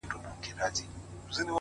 اراده د ستونزو دروازې پرانیزي’